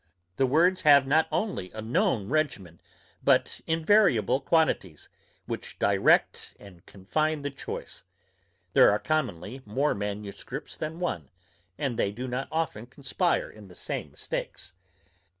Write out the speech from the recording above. The words have not only a known regimen, but invariable quantities, which direct and confine the choice. There are commonly more manuscripts than one; and they do not often conspire in the same mistakes.